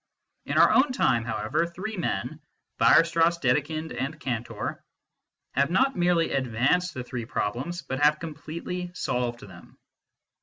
In our own time, however, three men Weierstrass, Dedekind, and Cantor have not merely advanced the three problems, but have completely solved them.